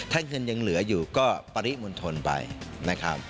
ถ้าเงินยังเหลืออยู่ก็ปริมณฑลไปนะครับ